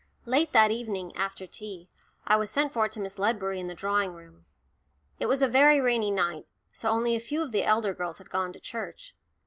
Late that evening, after tea, I was sent for to Miss Ledbury in the drawing room. It was a very rainy night, so only a few of the elder girls had gone to church.